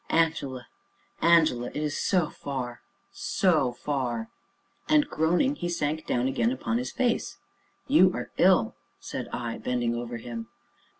Angela! Angela! It is so far so far " And groaning, he sank down again, upon his face. "You are ill!" said I, bending over him.